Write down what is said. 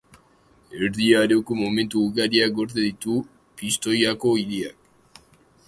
Erdi Aroko monumentu ugari gorde ditu Pistoiako hiriak.